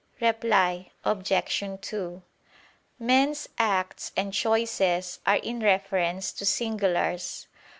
Reply Obj. 2: Men's acts and choices are in reference to singulars.